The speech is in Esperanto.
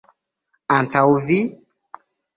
Antaŭ vi?